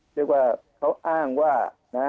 เรียกว่าเขาอ้างว่านะ